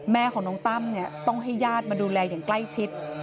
แม่ของน้องตั้มต้องให้ญาติมาดูแลอย่างใกล้ชิด